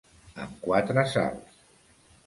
Amb quatre salts.